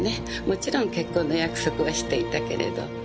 もちろん結婚の約束はしていたけれど。